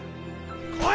来い！